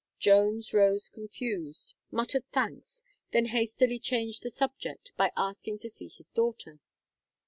Jones rose confused, muttered thanks, then hastily changed the subject by asking to see his daughter.